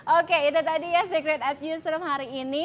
oke itu tadi ya secret at newsroom hari ini